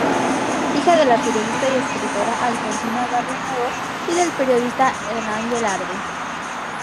Hija de la periodista y escritora Alfonsina Barrionuevo y del periodista Hernán Velarde.